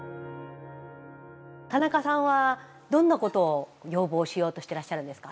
田中さんはどんなことを要望をしようとしてらっしゃるんですか。